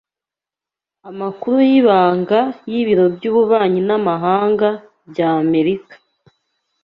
Amakuru y'ibanga y'ibiro by'ububanyi n'amahanga by'Amerika